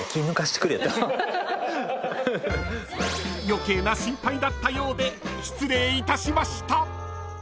［余計な心配だったようで失礼いたしました］